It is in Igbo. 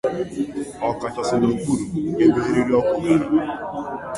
ọkachasị n'okpuru ebe eriri ọkụ gara.